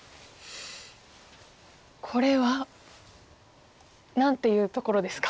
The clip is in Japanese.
これは何ていうところですか？